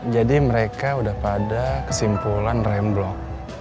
jadi mereka udah pada kesimpulan remblok